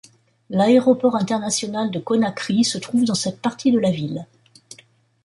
L'aéroport international de Conakry se trouve dans cette partie de la ville.